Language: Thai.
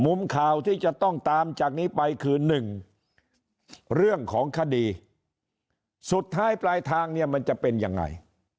ข่าวที่จะต้องตามจากนี้ไปคือหนึ่งเรื่องของคดีสุดท้ายปลายทางเนี่ยมันจะเป็นยังไง